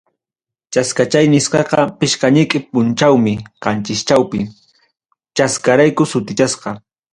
Chaskachaw nisqaqa, pichqa ñiqin punchawmi qanchischawpi, chaskarayku sutichasqa.